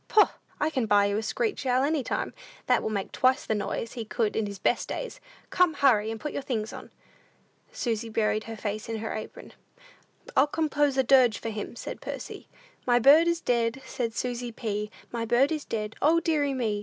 Poh! I can buy you a screech owl any time, that will make twice the noise he could in his best days. Come, hurry, and put your things on!" Susy buried her face in her apron. "I'll compose a dirge for him," said Percy. "My bird is dead, said Susy P., My bird is dead; O, deary me!